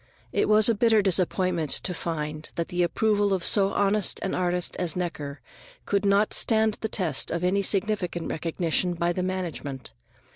It was a bitter disappointment to find that the approval of so honest an artist as Necker could not stand the test of any significant recognition by the management.